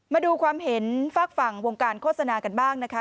มาดูความเห็นฝากฝั่งวงการโฆษณากันบ้างนะคะ